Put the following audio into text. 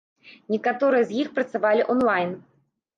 Некаторыя з іх працавалі онлайн.